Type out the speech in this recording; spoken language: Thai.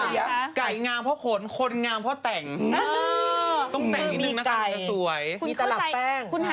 ไม่ได้มาจากสารไหนที่เขาแก้บนนะ